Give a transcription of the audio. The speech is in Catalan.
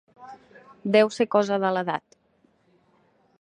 Deu ser cosa de l'edat.